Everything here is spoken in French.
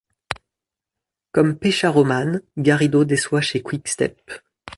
Comme Pecharroman, Garrido déçoit chez Quick Step.